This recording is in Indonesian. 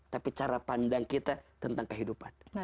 tapi cara pandang kita tentang kehidupan